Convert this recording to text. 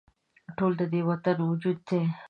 ټول د دې وطن وجود دي